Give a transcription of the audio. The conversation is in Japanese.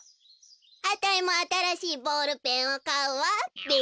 あたいもあたらしいボールペンをかうわべ！